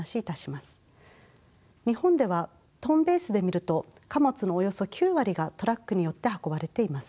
日本ではトンベースで見ると貨物のおよそ９割がトラックによって運ばれています。